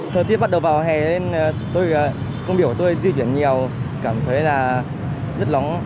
thời tiết bắt đầu vào hè lên công việc của tôi di chuyển nhiều cảm thấy là rất lóng